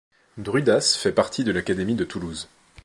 Drudas fait partie de l'académie de Toulouse.